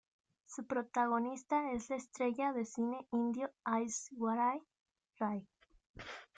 Su protagonista es la estrella de cine indio Aishwarya Rai.